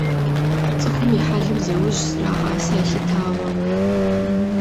ЦӀыхум и хьэлым зеужь зэрагъасэ елъытауэ.